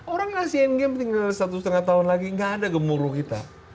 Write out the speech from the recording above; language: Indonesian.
orang asian games tinggal satu setengah tahun lagi gak ada gemuruh kita